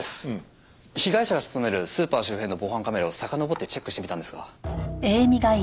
被害者が勤めるスーパー周辺の防犯カメラをさかのぼってチェックしてみたんですが。